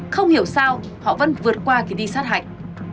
không hiểu sao họ vẫn vượt qua kỳ đi sát hạch